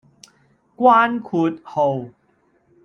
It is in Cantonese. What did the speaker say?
關括號